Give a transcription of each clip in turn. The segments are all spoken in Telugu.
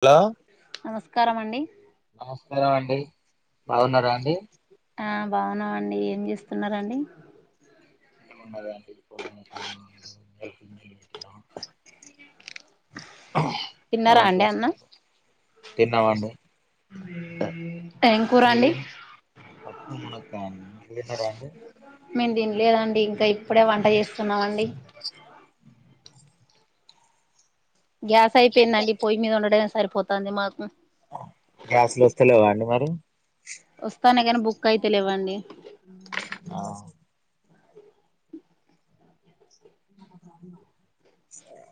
హలో నమస్కారం అండి నమస్కారం బాగున్నారా అండి ఆ బాగున్నామండి. ఏం చేస్తున్నరండి ఏమో [inaudible] లు తిన్నారా దాని అండి కోసం అన్నం [inaudible] తిన్నవా అండి అ మీరేం పప్పు మునక్కాయ అండి మీదేం కర్రీ అండి మేము తినలేదండి ఇంకా ఇప్పుడే వంట చేస్తున్నామండి గ్యాస్ అయిపొయింది అండి. పొయ్యి మీద వండ డమె సరిపోతొం తాందెం ఉ గ్యాసులు వస్తలేవా అండి మరి వస్ [unintelligible] ఆ అవును సరే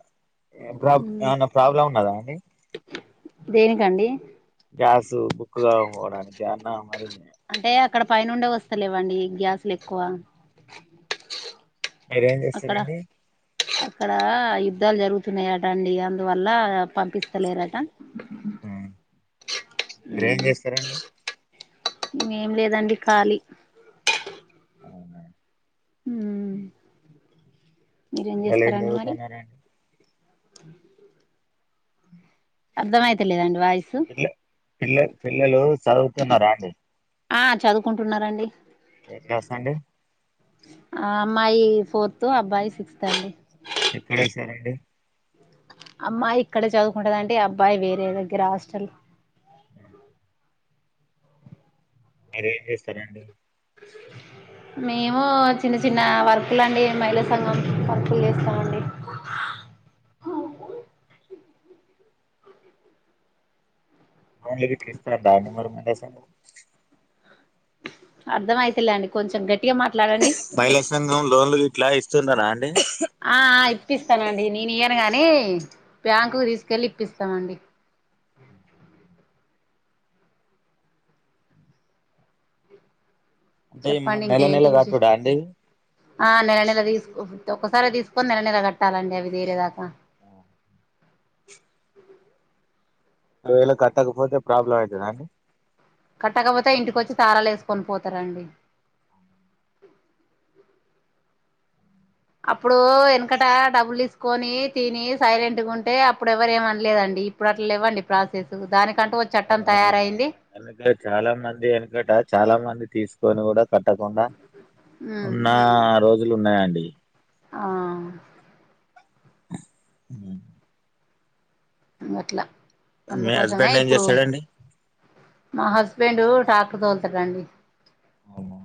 ఏం ప్రాబ్ ఎమన్నా ప్రాబ్లమ్ ఉన్నదా అండి. దేనికండి. గ్యాసు బుక్కు కాకపోవడానికి అన్నను మరి అంటే అక్కడ పైనుండే వస్తలేవండి గ్యాసులు ఎక్కువ. మీరేం అక్కడ చేస్తారండి. అక్కడ యుద్ధాలు జరుగుతున్నాయట అండి. అందువల్ల పంపిస్తలేరట. ఉ మీరే ఏం చేస్తారండి ఏం లేదండి ఖాళీ అవునా ఉమ్ పిల్లలు ఏం చదువుతున్నారు అండి. అర్థమయతలేదన్ పిల్ల పిల్ల పిల్లలు చదువుతున్నార అండి. ఆ చదువుకుంటున్నారండి ఏ క్లాస్ అండి ఆ అమ్మాయి ఫోర్త్. అబ్బాయి సిక్స్త్ అండి. ఎక్కడేసారండి. అమ్మాయి ఇక్కడే చదువుకుంటదండి. అబ్బాయి వేరే దగ్గర హాస్టల్. మిరేం చేస్తారండి. మేము చిన్న చిన్న వర్కులండి మహిళా సంఘం వర్కులు చేస్తామండి లోన్లు గిట్ల ఇస్తారా అండి మరి మీరు అసలు అర్థం అయితులేండి కొంచెం గట్టి మహిళా సంఘం లోన్ లు ఎట్లా ఇస్తుంది ఆఆ ఇప్పిస్తానండి నేను ఇయనుగానీ ఏయిట్ బ్యాంకు కి తీసుకెళ్లి ఇప్పిస్తా తవండి అంటే చెప్పండి నెల నెల ఇంకేంటి విశేష కట్టుడా అండి ఆ నెల నెల తీసుకోం ఒకసారి తీసుకొని నెల నెల కట్టాలండి అవి తిరేదాకా ఎలా క అత్తాకపో పోతే ప్రాబ్లమ్ అవుతుదా అండి కట్టకపోతే ఇంటికొచ్చి తారాలు వేసుకొని పోతారంండి అప్పుడు వెనకట డబ్బులు తీసుకొని తిని సైలెంట్ గా ఉంటే అప్పుడు ఎవరు ఏమనలేదండి ఇప్పుడు అట్లా ఇవ్వండి ప్రాసెస్ దానికి అవునవునవు వెనక చాలా మంది వెనకట చాలా మంది తీసుకొని కూడా కట్టకుండా ఉమ్ ఉన్న రోజు లు ఉన్నాయాండి ఆ అ అట్లా మీ అందుకోసమే హస్బెండ్ ఏం ఇప్పుడు చేస్తాడంండి మా హస్బెండ్ టాకు తోలుతడంండి అవునా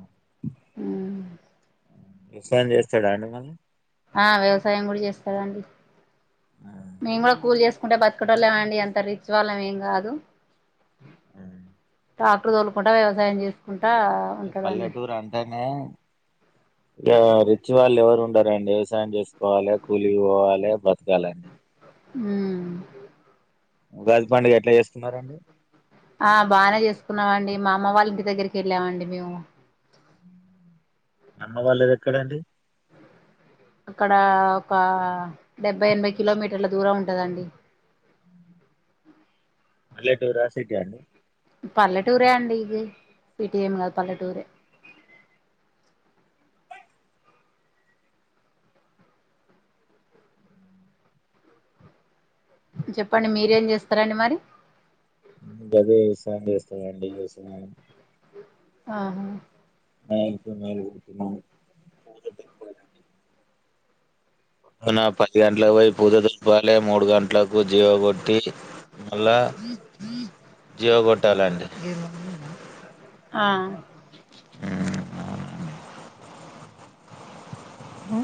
ఆ ఇ ఫన్ చేస్తాడు అండి మళ్ళీ ఆ వ్యవసాయం కూడా చేస్తాడంండి మేము మరి కూడా కూల్ చేసుకుంటే బతుకటోళ్ళమండి అంత రిచ్ వాళ్ళమేం కాదు ట్రాక్టర్ తదులుకుంటా వ్యవసాయం చేసుకుంట ఏ పల్లెటూరు అంటనే ఇక రిచి వాళ్ళు ఎవరు ఉండారంండి వ్యవసాయం చేసుకోవాలి కూలి పోవాలి బ్రతకాలండి హమ్ ఉగాది పండుగ ఎట్లా చేస్తున్నారంండి ఆ బాగానే చేసుకున్నామండి మా అమ్మ వాళ్ళ ఇంటి దగ్గరికి వెళ్ళామండి మేము అమ్మ వలేది ఎక్కడడి అక్కడ ఒక డెబ్బై ఎనభై కిలోమీటర్ల దూరం ఉంటుందండి మల్లెటూరు రాసిటి అండి పల్లటూరే అడి ఇది సిటిమ ఏం కాదు పల్లెటూరు చెప్పండి మీరేం చేస్తారండి మరి ఇ అదేసస్త ఎ అండి ఎస్తున్నా ఆహా నలుపు నలుపు మ అన పతి గంటల వైపుద దుపాలే మూడు గంటలకు జీవ కొట్టి మళ్ళా జివ కొట్టలండి ఆ ఉ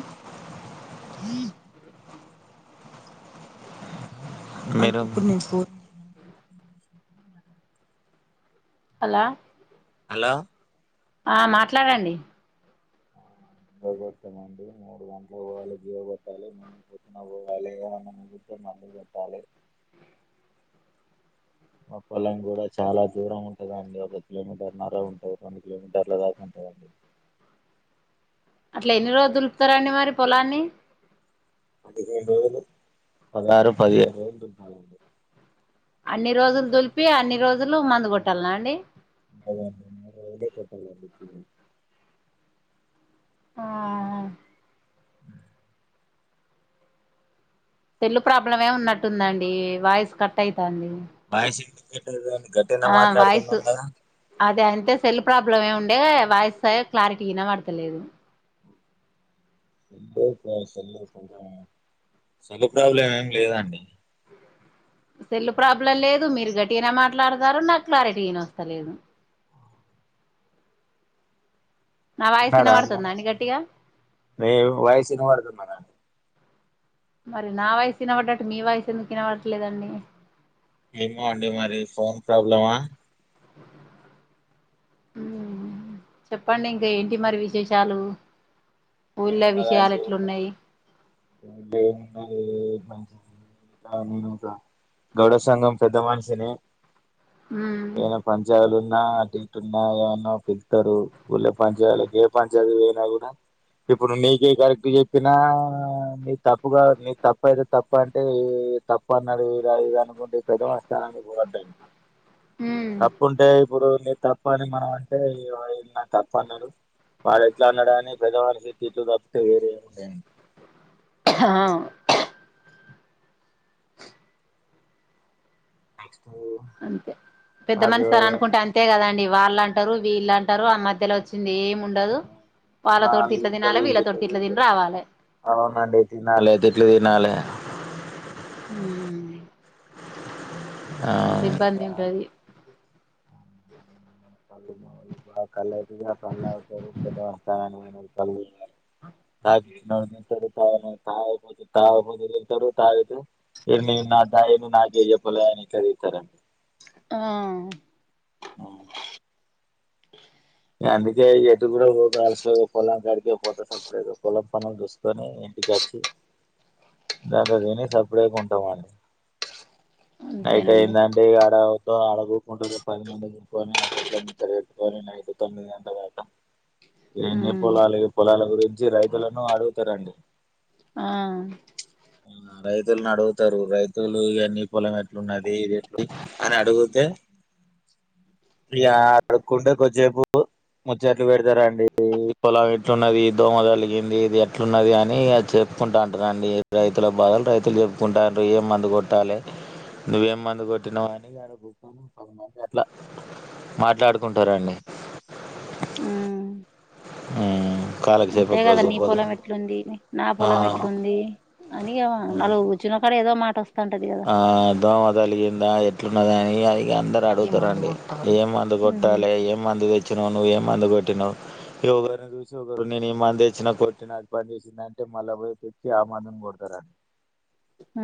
మీరు హలో హలో ఆ మాట్లాడండి కొట్టామండి మూడు గంటలు పోవాలి జీవ కొొట్టాలి మళ్ళీ పతున పోవాలి ఏద కుట్టే మళ్ళీ కొట్టాలి మా పళ్యం కూడా చాలా దూరం ఉంటదండి ఒక కిలోమీటర్న్నర ఉంటవు రెండు కిలోమీటర్ల దాకా ఉంటదండి అట్లా ఎన్ని రోజు దులుపుతారండి మరి పొలాన్ని పదిహేడు రోజులు పదహారు పదిహేడు రోజులు దున్నుతాం అండి అన్ని రోజులు దులిపు చెప్పి అన్ని రోజులు మందు కొట్టాల్ న అండి అమూడు రోజులే కొట్టాలండి దుమ్ ఆ సెల్ ప్రాబ్లం మే ఉన్నట్టుందండి వాయిస్ కట్ అయి తల్లి చే ప్ టెల్ గాన్ని ఆ వయిసు అదే అంతే అయితే సెల్ ప్రాబ్లమ్ ఏ ఉండే వాయిస్ క్లారిటీ గ ఇనాపడతలేదు సె ప్ర సెల్ ప్రాబ్లం ఏమి లేదాండి సెల్ ప్రాబ్లం లేదు మీరు గట్టి అనా మాట్లాడతారు నాకు క్లారిటీన వస్తలేదు తన్నారా అన్నం వినబడుతుందా అండి గట్టిగా మి వయిస్ ఇనబడుతుంది. మే మరి నా వాయిస్ ఇనబడట్టు మీ వాయిస్ ఎందుకు వినవడట్లేదండి ఏమో అండి మరి ఫోన్ ప్రాబ్లమా చెప్పండి ఇంకా ఏంటి మరి విశేషాలు ఏ ఊళ్ళో ఉన్నదా విషయాలు అండి ఎట్లున్నాయి ఇ ఉన్నది ఇలా నేనుకా గడ సంఘం పెద్ద మనిషిని ఉమ్ ఏనా పంచాలు నా టిెట్ ఉన్నా ఏమన్నా ఫిల్టరు గుల పని చేయాల ఏ పని చేయన కూడా ఇప్పుడు మీకే కరెక్ట్ చెప్పినా నీ తప్పుగా నీ తప్ప అయితే తప్ప అంటే తప్పు అన్నాడు ఇలా ఇది అనుకుంటే పెజ వస్తానునికో అంట ఉమ్ తప్పు వుంటే ఇప్పుడు నీ తప్ప అని మనం అంటే నా తప్ప అన్నాడు వాడు ఎట్లా అన్నాడుని పెద్దవాళ్ళకి చెప్ ఇట్లు కట్ కు పొర న్దేన హా నెక్స్ట్ అంతే పెద్దమని మాకు సార్ అనుకుంటే అంతే కదండి వాళ్లంటారు వీళ్ళు అంటారు ఆ మధ్యలో వచ్చింది ఏం వాల్ తిట్టరు వీళ్లు తిట్టరు వీళ్ళతోటి అదే తిట్లు తిని సరిపోయింది రావాలి అవునండి తినాలే తిట్లు తినాలే యూ అంత ఇబ్బంది ఆ ఉంటది [unintelligible] [unintelligible] తాను తాగుబోదు తాగుబోతే తిడతారు తాగుతే ఓరి నీ నా డ నాకే చెప్పలే అని తిడతారు ఆ అ ఏ అందుకే ఇప్పుడే పోతా అలసిపోయి పొలం కాటికి పోతా సెపరేట్ గా పొలం పనుల దుస్ తని ఇంటికి వచ్చి దాదా తిని సప్ బ్రేక్ ఉంటే మాని నైట్ అంతేనండి అయింది అంటే ఆడ ఆడగూకుంటడు పది మంది కూర్చొని అట్లా ఇట్లా ముచ్చట పెట్టుకొని నైట్ తోమిది గంటల దాకా ఏం ఉమ్ చెప్పాలో వాళ్ళే వాళ్ల గురి మంచి రైతులను అడుగుతారండి ఆ రైతుల్ని అడుగుతారు రైతులు ఇ నీ పొలం ఎట్లున్నది ఇది ఎట్లు అని అడుగితే ఇ అడుకుంటే కొద్దిసేపు ముచ్చట్లు పెడతారండి ఈ పొలం ఎట్లు ఉన్నది దోమ కలిగింది ఇది అట్లున్నది అని ఇగ చెప్పుకుంటా ఉంటారు అండి. రైతుల బాధలు రైతులు చెప్పుకుంటారు ఏం మందు కొట్టాలి నువ్వు ఏమి మందు కొట్టినావు అని [unintelligible] సగం మంది అట్లా మాట్లాడుకుంటారండి యూ అంతే కాలక్షేపం కదా కోసం నీ పోతు పొలం ఎట్లుంది నా ఆ పొలం ఎట్లుంది అని నాలుగు ఆ కూర్చున్నక్కడ ఏదో మాట్ ఆ దోమ తలిగిందా ఎట్లున్నదని మీ అడిగ అందరు అడుగుతారండి ఏ మందు ఉమ్ కొట్టాలి ఏం మందు తెచ్చినవు నువ్వు ఏం మందు కొట్టినవ్ ఇక ఒకరిని చూసి ఒకరు నేను ఈ మంది తెచ్చినా కొట్టిన అది పని చేసింది అంటే మళ్ళా పోయి తేచ్చి ఆ మందుని కొడతారండి హ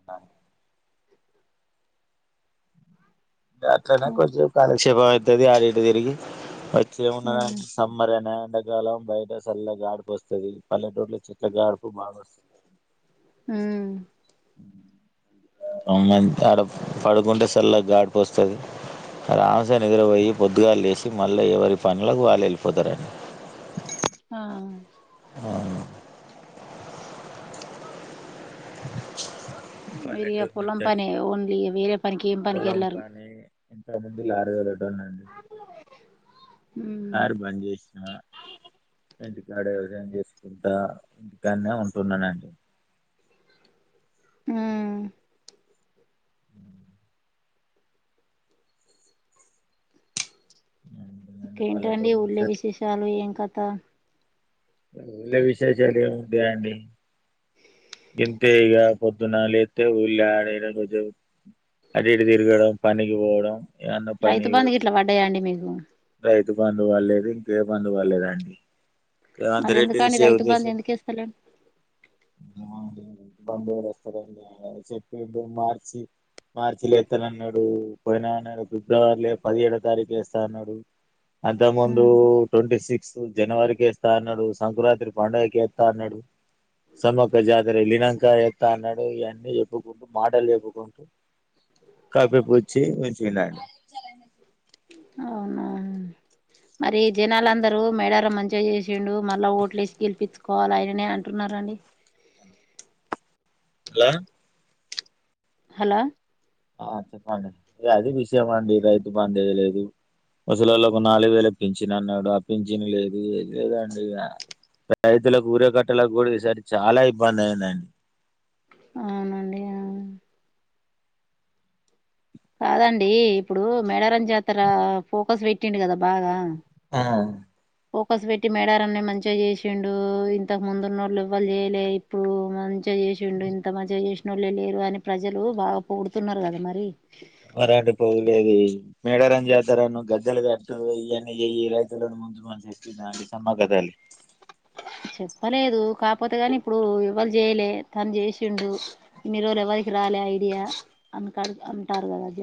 [inaudible] దాట్లనే కోది సేపు కాలి నిక్షేపం అయితది ఆడ ఇడా తిరిగి వ చే మునాథ ఉమ్ సమ్మర్ అనా ఎండకాలం బయట చల్ల గాడపు వస్తుంది పల్లెటూరిలో చిక్క గాడుపు బాగా వస్తుంది హు [unintelligible] అడ పడుకుంటే చల్ల గాడిపు వస్తుంది రాస నీద్రపోయి పొద్దుగాళ్లు లేసి మళ్ళా ఎవరి పనులకి వాళ్ళు వెళ్ళిపోతారండి ఆ అవున్ [inaudible] మీరు ఇగ పల్లెటూరు పొలం నుంచి వచ్ పనే ఓన్లీ వేరే పనికి ఏం పనికి పొలం వెళ్ళరు పనీ ఇంతకుముందు లారీ తోలేటోన్ని అండి ఉమ్ లార్ బంద్ జేసిన ఇంటికాడే వ్యవసాయం చేసుకుంటా ఇంటికాన్నే ఉంటున్నానండి హ్మ్ మ్మ్ అంతేనండి, ఇకేంటండి పల్లెటూరు ఊళ్ళో నుంచి విశేషాలు ఏం కథ ఊళ్ళో విశేషాలు ఏముంటయ్ అండి ఇంతే ఇగ పొద్దున్న లేత్తే ఊళ్లే ఆడ ఈడ రోజు అటు ఇటు తిరగడం పనికి పోవడం ఏమన్నా రైతు పనికి బంధు గిట్లా వడ్డాయా అండి మీకు తు బంధు వల్లేదు ఇంకే బంధు వల్లేదండి మరి ఎందుకండి రైతు బంధు ఎందుకేస్తలేడ్ మ్మ్ బాంబు ఎవరేస్తారండి అని చెప్పిండు మార్చి మార్చి లో ఎత్తానన్నాడు పోయిన అన్నాడు ఫిబ్రవరిలో పదిహేడో తారీఖు వేస్తా అన్నాడు అంతక్ ముందు ఉమ్ ట్వంటీ సి క్స్ జనవరికి వేస్తా అన్నాడు సంక్రాంతి పండుగకి వేత్తా అన్నాడు సమక్ జాతర వెళ్ళినంక ఎత్తా అన్నాడు ఇవన్నీ చెప్పుకుంటూ మాటలు చెప్పుకుంటూ కప్పిపుచ్చి ఉంచిండండు అవునా మరి జనాలుందరూ మేడారం మంచిగా చేసిండు మళ్ళా ఓట్లు వేసి గెలిపిచ్చుకోవాల ఆయననే అంటున్నారండి లా హలో ఆ చెప్పండి అది విషయం అండి రైతు బంద్ ఏ లేదు వసలల్లకు ఒక నాలుగు వేల పింఛన్ అన్నాడు ఆ పింఛన్ లేదు లేదండి ఇగ రైతులకు ఊరే కట్టలకు కూడా ఈసారి చానా ఇబ్బంది అయిందండి. అవునండి అవున్ కాదండి ఇప్పుడు మేడారం జాతర ఫోకస్ పెట్టిండు కదా బాగా ఆ ఫోకస్ పెట్టి మేడారం ని మంచిగా చేసిండు ఇంతకు ముందున్నోళ్లు ఎవ్వల్ జేయలే ఇప్పుడు మంచ్ గ ఏసిండు ఇంత మంచిగ జేషి నోళ్ళె లేరు అని ప్రజలు బాగా పొగుడుతున్నారు గదా మరి వరాటు పోవులేది మేడారం జాతరను గద్దెలు గట్టు ఈయన్ని యేయి రైతులను [unintelligible] సేస్తున్నాని సమ్మక తల్లి చెప్పలేదు కాకపోతే కాని ఇప్పుడు ఎవ్వళ్ జేయలే తను చేసిండు ఇన్ని రోజులు ఎవరికి రాలే ఐడియా అనుకాడికి అంటారు గదా దేవ్